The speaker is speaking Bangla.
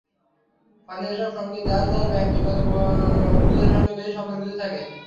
ফলে এসব সংগীত যার যার ব্যক্তিগত অভিজ্ঞতার সঙ্গেই বেশি সম্পর্কিত থাকে।